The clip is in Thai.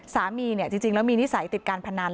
จริงแล้วมีนิสัยติดการพนัน